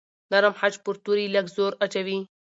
نرم خج پر توري لږ زور اچوي.